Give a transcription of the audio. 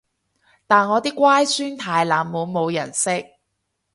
但我啲乖孫太冷門冇人識